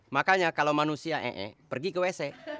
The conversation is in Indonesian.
makanya kalau manusia ee pergi ke wc